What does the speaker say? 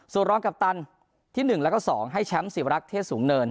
ส่วนรองกัปตันที่๑แล้วก็๒ให้แชมป์ศิวรักษ์เทศสูงเนิน